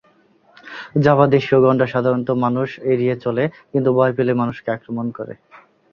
জাভাদেশীয় গণ্ডার সাধারণত মানুষ এড়িয়ে চলে, কিন্তু ভয় পেলে মানুষকে আক্রমণ করে।